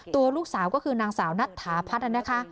ตัวลูกสาวก็คือนางสาวนัทถาพัฒน์นะคะ